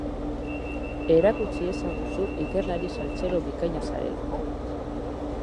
Erakuts iezaguzu ikerlari saltsero bikaina zarela!